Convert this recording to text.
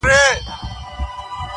یو له بله سره بېل سو په کلونو-